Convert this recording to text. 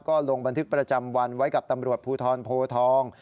ก็ลงบันทึกประจำวันไว้กับตำรวจภูทรโพทอง